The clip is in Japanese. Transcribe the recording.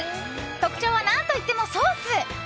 特徴は、何といってもソース。